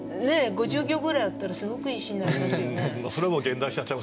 ５０行ぐらいあったらすごくいい詩になりますよね。